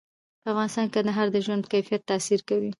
په افغانستان کې کندهار د ژوند په کیفیت تاثیر کوي.